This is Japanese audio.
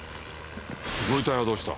ご遺体はどうした？